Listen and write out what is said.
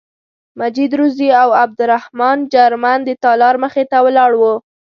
مجید روزي او عبدالرحمن جرمن د تالار مخې ته ولاړ وو.